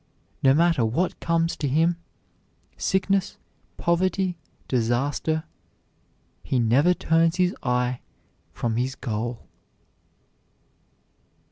No matter what comes to him, sickness, poverty, disaster, he never turns his eye from his goal.